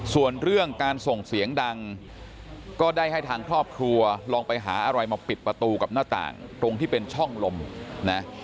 ส่วนเรื่องการส่งเสียงดังก็ได้ให้ทางครอบครัวลองไปหาอะไรมาปิดประตูกับหน้าต่างตรงที่เป็นช่องลมนะ